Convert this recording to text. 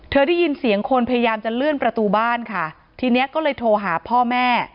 ได้ยินเสียงคนพยายามจะเลื่อนประตูบ้านค่ะทีนี้ก็เลยโทรหาพ่อแม่